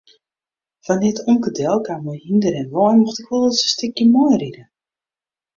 Wannear't omke delkaam mei hynder en wein mocht ik wolris in stikje meiride.